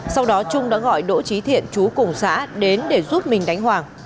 sau đó trung đã gọi đỗ trí thiện chú cùng xã đến để giúp mình đánh hoàng